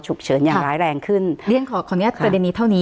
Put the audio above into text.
ฉุกเจิดอย่างร้ายแรงขึ้น